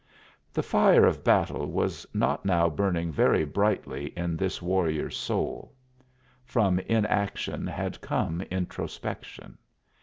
The fire of battle was not now burning very brightly in this warrior's soul. From inaction had come introspection.